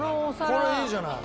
これいいじゃない。